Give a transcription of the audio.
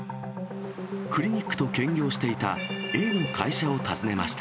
クリニックと兼業していたＡの会社を訪ねました。